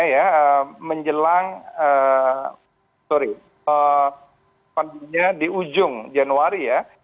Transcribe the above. ya menjelang sorry di ujung januari ya